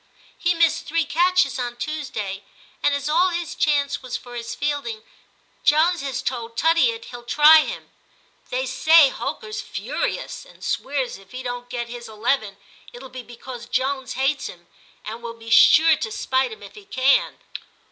* He missed three catches on Tuesday, and as all his chance was for his fielding, Jones has told Tuttiett he'll try him. They say Holker's furious, and swears if he don't get his eleven, it'll be because Jones hates him, and will be sure to spite him if he can.'